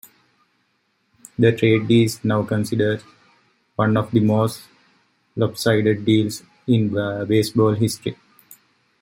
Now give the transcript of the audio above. The trade is now considered one of the most lopsided deals in baseball history.